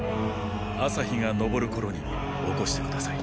朝日が昇る頃に起こして下さい。